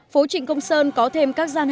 phố trịnh công sơn có thêm các gian hàng